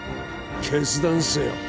決断せよ。